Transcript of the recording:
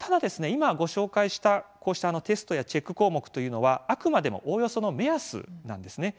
今ご紹介したこうしたテストやチェック項目というのはあくまでもおおよその目安なんですね。